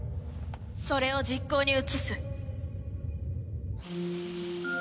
それを実行に移す。